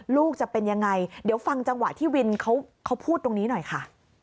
ลูกจะเป็นยังไงเดี๋ยวฟังจังหวะที่วินเขาพูดตรงนี้หน่อยค่ะ